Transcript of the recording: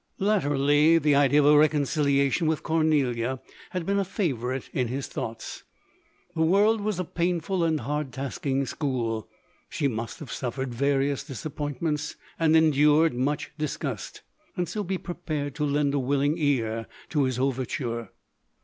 Latterly the idea of a reconciliation with Cor nelia had been a favourite in his thoughts. The world was a painful and hard tasking school. She must have suffered various disappointments, and endured much disgust, and so be prepared to lend a willing ear to his overture.